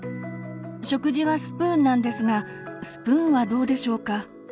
食事はスプーンなんですがスプーンはどうでしょうか？